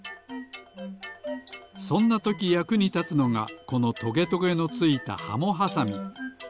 そんなときやくにたつのがこのトゲトゲのついたハモはさみ。